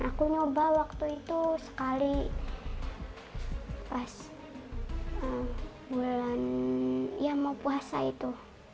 aku nyoba waktu itu sekali pas bulan ya mau puasa itu